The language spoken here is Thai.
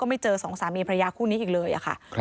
ก็ไม่เจอ๒สามีนพระยาคู่นี้อีกเลยอะค่ะ